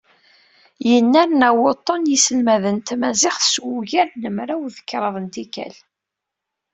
Yennerna wuṭṭun n yiselmaden n tmaziɣt, s wugar n mraw d kraḍ n tikkal.